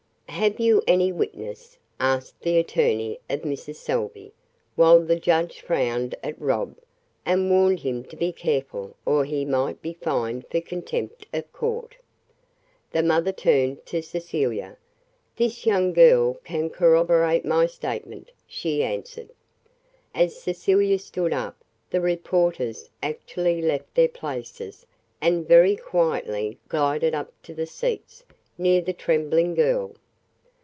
"Have you any witness?" asked the attorney of Mrs. Salvey, while the judge frowned at Rob and warned him to be careful or he might be fined for contempt of court. The mother turned to Cecilia. "This young girl can corroborate my statement," she answered. As Cecilia stood up the reporters actually left their places and very quietly glided up to seats near the trembling girl.